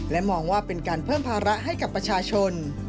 และมองว่าเป็นการเพิ่มภาระให้กับประชาชน